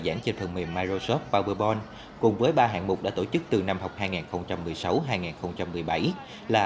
giảng trên phần mềm microsoft pauberbon cùng với ba hạng mục đã tổ chức từ năm học hai nghìn một mươi sáu hai nghìn một mươi bảy là